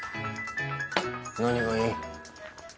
何がいい？